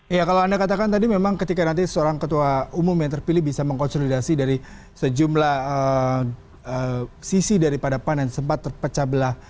ya kalau anda katakan tadi memang ketika nanti seorang ketua umum yang terpilih bisa mengkonsolidasi dari sejumlah sisi daripada pan yang sempat terpecah belah